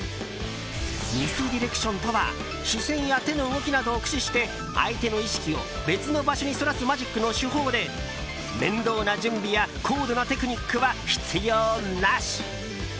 ミスディレクションとは視線や手の動きなどを駆使して相手の意識を別の場所にそらすマジックの手法で面倒な準備や高度なテクニックは必要なし。